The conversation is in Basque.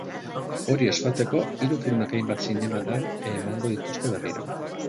Hori ospatzeko, hiru filmak hainbat zinematan emango dituzte berriro.